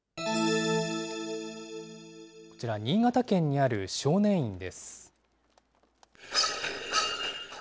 こちら、新潟県にある少年院です。